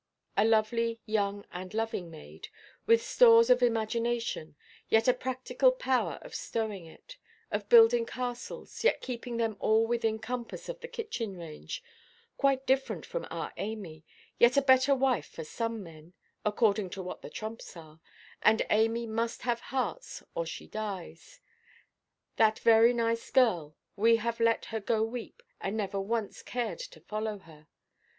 A lovely, young, and loving maid, with stores of imagination, yet a practical power of stowing it; of building castles, yet keeping them all within compass of the kitchen–range; quite different from our Amy, yet a better wife for some men—according to what the trumps are, and Amy must have hearts, or she dies;—that very nice girl, we have let her go weep, and never once cared to follow her.